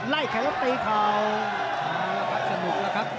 ไล่ไขแล้วเตะข่าว